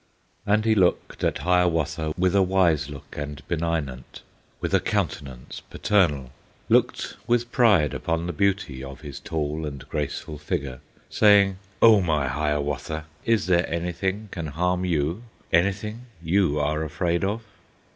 And he looked at Hiawatha With a wise look and benignant, With a countenance paternal, Looked with pride upon the beauty Of his tall and graceful figure, Saying, "O my Hiawatha! Is there anything can harm you? Anything you are afraid of?"